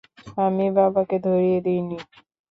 আমি বাবাকে ধরিয়ে দিইনি।